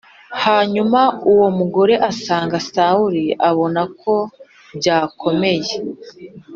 Hanyuma uwo mugore asanga Sawuli abona ko byakomeye